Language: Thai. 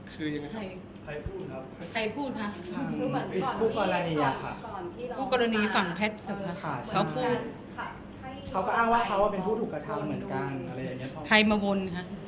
เขามีมอสไซด์มาวน